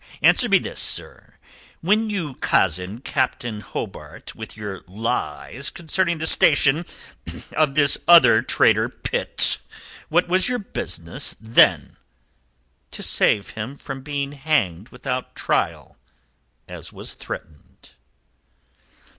Answer me this, sir: When you cozened Captain Hobart with your lies concerning the station of this other traitor Pitt, what was your business then?" "To save him from being hanged without trial, as was threatened."